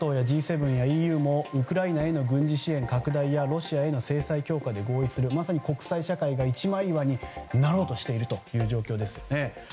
ＮＡＴＯやＧ７やＥＵもウクライナへの軍事支援拡大やロシアへの制裁強化に合意するまさに国際社会が一枚岩になろうとしているという状況ですね。